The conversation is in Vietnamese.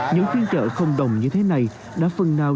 những phiên trợ không đồng như thế này đã phần nào